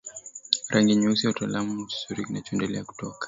rangi nyeusi watala kitu chochote kinachoendelea kutoka